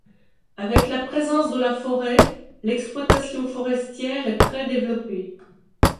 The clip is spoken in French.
Avec la présence de la forêt, l'exploitation forestière est très développée.